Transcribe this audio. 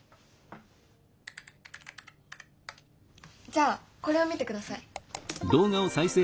じゃあこれを見てください。